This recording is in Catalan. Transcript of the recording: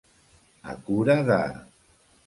A cura de.